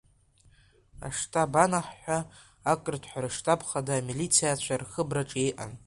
Аштаб анаҳҳәа, ақырҭқәа рыштаб хада амилициацәа рхыбраҿы иҟан.